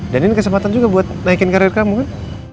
dan ini kesempatan juga buat naikin karir kamu kan